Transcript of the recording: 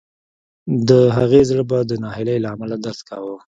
د هغې زړه به د ناهیلۍ له امله درد کاوه